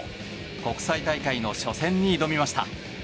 国際大会の初戦に挑みました。